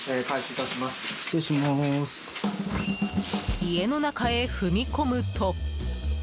家の中へ踏み込むと。